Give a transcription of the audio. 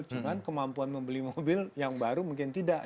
cuma kemampuan membeli mobil yang baru mungkin tidak